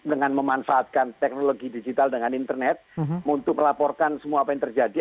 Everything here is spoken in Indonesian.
dengan memanfaatkan teknologi digital dengan internet untuk melaporkan semua apa yang terjadi